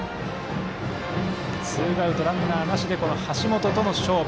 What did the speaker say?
ツーアウト、ランナーなしで橋本との勝負。